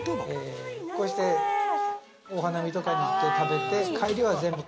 こうしてお花見とかに行って食べて帰りは。